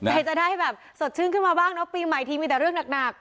ใครจะได้แบบสดชื่นขึ้นมาบ้างเนอะปีใหม่ทีมีแต่เรื่องหนัก